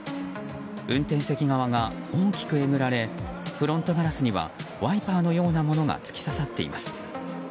運転席側が大きくえぐられフロントガラスにはワイパーのようなものが突き刺さっています。